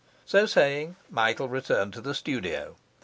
So saying, Michael returned to the studio.